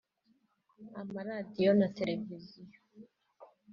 amaradiyo na televiziyo